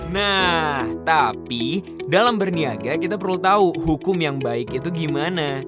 nah tapi dalam berniaga kita perlu tahu hukum yang baik itu gimana